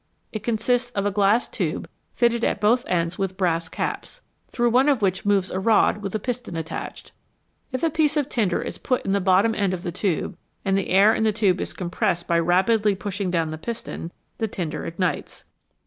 It consists of a glass tube fitted at both ends with brass caps, through one of which moves a rod with piston attached. If a piece of tinder is put in the bottom end of the tube, and the 120 HOW FIRE IS MADE air in the tube is compressed by rapidly pushing down the piston, the tinder ignites.